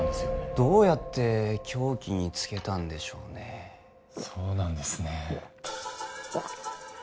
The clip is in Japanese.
どうやって凶器につけたんでしょうねえそうなんですねえ